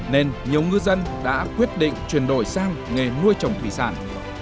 nên nhiều ngư dân đã quyết định chuyển đổi sang nghề nuôi trồng thủy sản